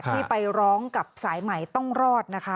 ที่ไปร้องกับสายใหม่ต้องรอดนะคะ